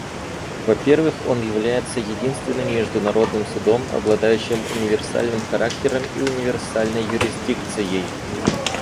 Во-первых, он является единственным международным судом, обладающим универсальным характером и универсальной юрисдикцией.